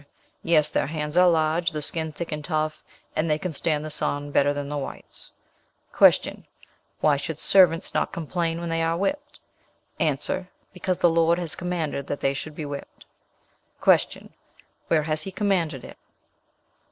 'Yes, their hands are large, the skin thick and tough, and they can stand the sun better than the whites.' "Q. Why should servants not complain when they are whipped? A. 'Because the Lord has commanded that they should be whipped.' "Q. Where has He commanded it?